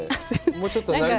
もうちょっと。